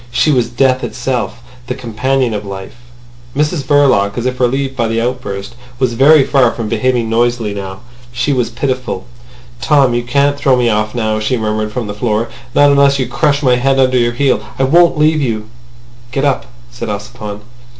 She was death itself—the companion of life. Mrs Verloc, as if relieved by the outburst, was very far from behaving noisily now. She was pitiful. "Tom, you can't throw me off now," she murmured from the floor. "Not unless you crush my head under your heel. I won't leave you." "Get up," said Ossipon.